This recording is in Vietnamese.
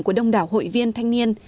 của đông đảo hội viên thanh niên